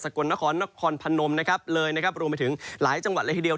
กลนครนครพนมนะครับเลยนะครับรวมไปถึงหลายจังหวัดเลยทีเดียว